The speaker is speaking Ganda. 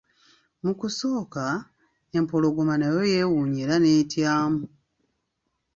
Mu kusooka, empologoma nayo yewuunya era n'etyamu.